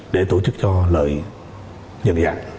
để tổ chức cho lợi nhận dạng